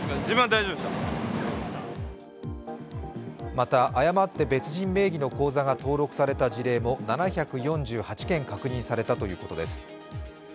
また、誤って別人名義の口座が登録された事例も、７４８件確認されたということです。